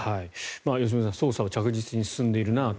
良純さん捜査は着実に進んでいるなと。